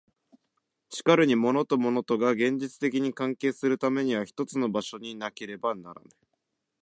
しかるに物と物とが現実的に関係するためには一つの場所になければならぬ。